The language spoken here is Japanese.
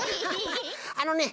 あのね